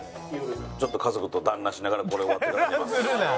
ちょっと家族とだんらんしながらこれ終わってから寝ます。